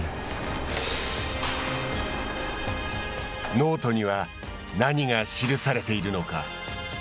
ノートには何が記されているのか。